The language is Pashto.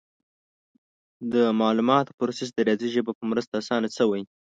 د معلوماتو پروسس د ریاضي ژبې په مرسته اسانه شوی.